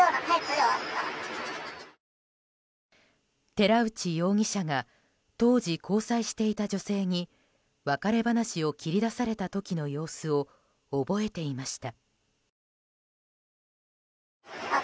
寺内容疑者が当時、交際していた女性に別れ話を切り出された時の様子を覚えていました。